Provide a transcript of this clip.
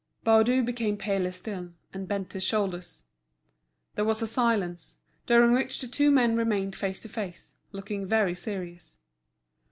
Baudu became paler still, and bent his shoulders. There was a silence, during which the two men remained face to face, looking very serious.